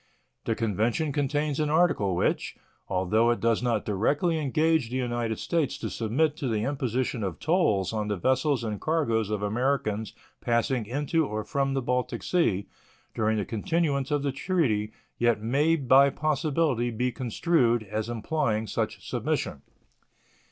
The convention contains an article which, although it does not directly engage the United States to submit to the imposition of tolls on the vessels and cargoes of Americans passing into or from the Baltic Sea during the continuance of the treaty, yet may by possibility be construed as implying such submission.